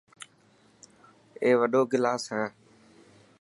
اي وڏو گلاس هي.